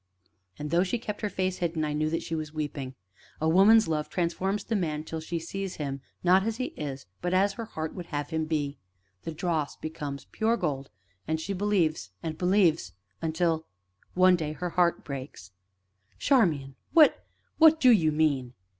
And, though she kept her face hidden, I knew that she was weeping. "A woman's love transforms the man till she sees him, not as he is, but as her heart would have him be; the dross becomes pure gold, and she believes and believes until one day her heart breaks " "Charmian! what what do you mean?"